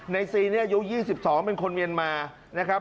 ซีนี่อายุ๒๒เป็นคนเมียนมานะครับ